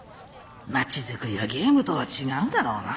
「街づくりはゲームとは違うだろうな」。